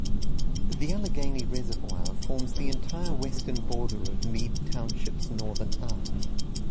The Allegheny Reservoir forms the entire western border of Mead Township's northern arm.